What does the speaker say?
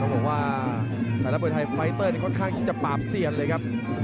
ต้องบอกว่าศาละบริเทย์ไฟเตอร์ค่อนข้างจะปาบเสียนเลยครับ